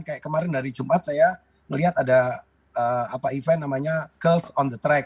kayak kemarin hari jumat saya melihat ada event namanya girls on the track